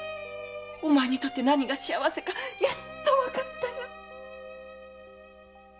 お前にとって何が幸せかやっとわかったよ。